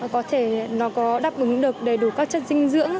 có thể nó có đáp ứng được đầy đủ các chất dinh dưỡng